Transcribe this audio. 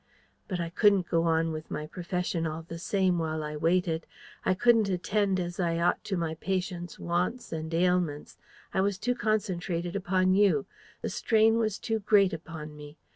But I couldn't go on with my profession, all the same, while I waited. I couldn't attend as I ought to my patients' wants and ailments: I was too concentrated upon you: the strain was too great upon me.